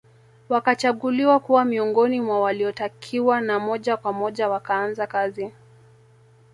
Wakachaguliwa kuwa miongoni mwa waliotakiwa na moja kwa moja wakaanza kazi